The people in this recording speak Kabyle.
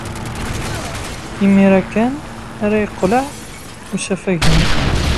Imir-a kan ara yeqleɛ usafag-nni.